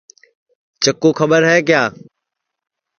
چکُُو کھٻر ہے کیا